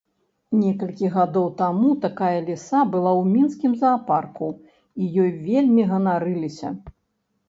Некалькі гадоў таму такая ліса была ў мінскім заапарку і ёй вельмі ганарыліся.